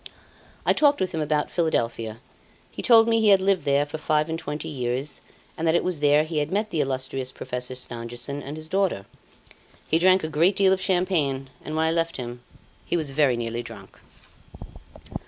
I talked with him about Philadelphia; he told me he had lived there for five and twenty years, and that it was there he had met the illustrious Professor Stangerson and his daughter. He drank a great deal of champagne, and when I left him he was very nearly drunk.